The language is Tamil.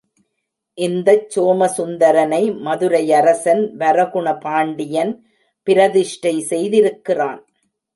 இந்தச் சோமசுந்தரனை மதுரையரசன் வரகுண பாண்டியன் பிரதிஷ்டை செய்திருக்கிறான்.